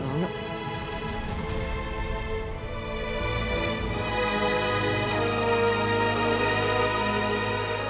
mas ada ilsa